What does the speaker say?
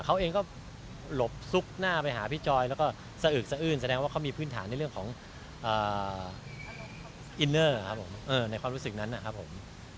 เขาเองก็หลบซุกหน้าไปหาพี่จอยแล้วก็สะอึกสะอื้นแสดงว่าเขามีพื้นฐานในเรื่องของอินเนอร์ครับผมในความรู้สึกนั้นนะครับผม